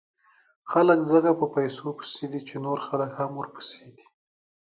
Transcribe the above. خلک ځکه په پیسو پسې دي، چې نور خلک هم ورپسې دي.